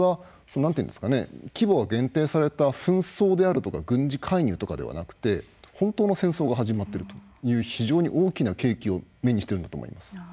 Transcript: ですから規模が限定された紛争であるとか軍事介入とかではなくて本当の戦争が始まっているという非常に大きな契機を目にしているんだと思います。